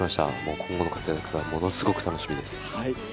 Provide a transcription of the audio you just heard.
今後の活躍がものすごく楽しみです。